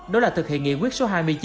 đó là thực hiện nghị quyết số hai mươi chín